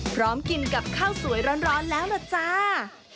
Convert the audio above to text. พร้อมกินกับข้าวสวยร้อนแล้วล่ะจ้า